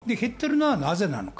数が減っているのはなぜなのか？